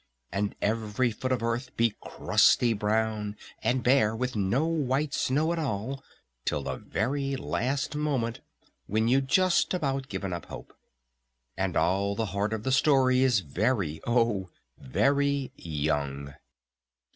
And every foot of earth be crusty brown and bare with no white snow at all till the very last moment when you'd just about given up hope! And all the heart of the story is very, oh very young!